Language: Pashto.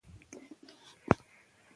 شکایت کول هیڅ ګټه نلري.